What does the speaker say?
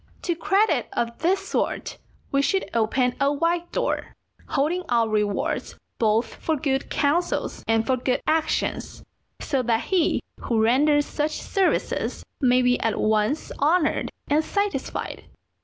To credit of this sort we should open a wide door, holding out rewards both for good counsels and for good actions, so that he who renders such services may be at once honoured and satisfied.